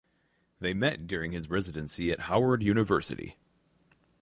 They met during his residency at Howard University.